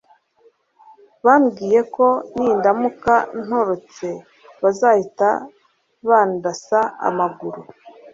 bambwiye ko nindamuka ntorotse bazahita bandasa amaguru